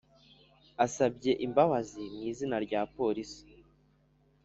asabye imbabazi mwizina rya police"